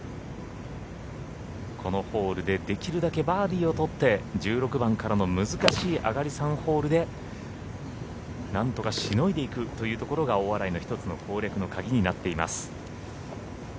このホールでできるだけバーディーをとって１６番からの難しい上がり３ホールで何とかしのいでいくというところが大洗の１つの攻略の鍵になっています。